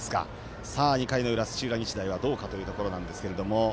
２回の裏、土浦日大はどうかというところなんですが。